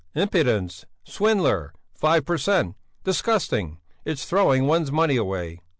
Impudence! Swindler! Five per cent! Disgusting! It's throwing one's money away!"